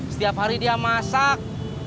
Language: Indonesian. setiap hari dia masak